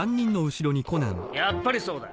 やっぱりそうだ！